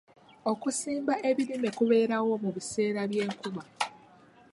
Okusimba ebirime kubeerawo mu biseera by'enkuba.